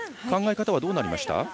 考え方はどうなりました？